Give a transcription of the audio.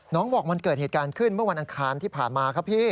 น้องบอกมันเกิดเหตุการณ์ขึ้นเมื่อวันอังคารที่ผ่านมา